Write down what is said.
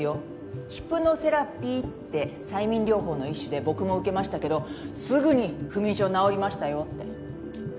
ヒプノセラピーって催眠療法の一種で僕も受けましたけどすぐに不眠症治りましたよって。